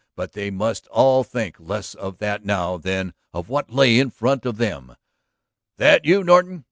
But they must all think less of that now than of what lay in front of them. "That you, Norton?"